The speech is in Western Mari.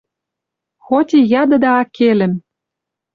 «Хоть и ядыда аккелӹм